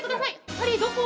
ハリーどこ？